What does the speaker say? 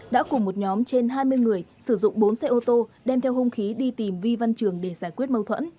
đã cùng một nhóm trên hai mươi người sử dụng bốn xe ô tô đem theo hung khí đi tìm vi văn trường để giải quyết mâu thuẫn